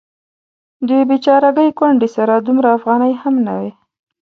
دې بیچارګۍ کونډې سره دومره افغانۍ هم نه وې.